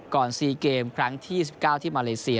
๔เกมครั้งที่๒๙ที่มาเลเซีย